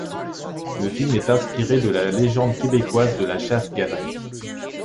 Le film est inspiré de la légende québécoise de la Chasse-galerie.